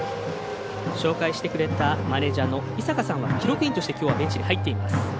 紹介してくれたマネージャーの井坂さんは記録員としてきょうはベンチに入っています。